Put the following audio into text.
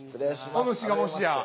お主がもしや。